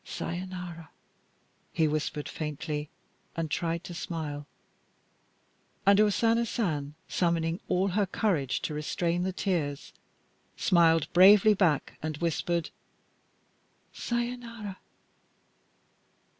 "Sayonara," he whispered faintly, and tried to smile; and O Sana San, summoning all her courage to restrain the tears, smiled bravely back and whispered, "Sayonara."